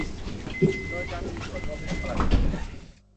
โดยการมีส่วนร่วมของประชาชน